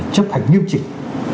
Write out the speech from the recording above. chấp hành nghiêm trình